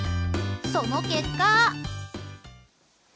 その結果。